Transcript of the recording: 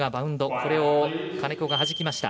これを金子がはじきました。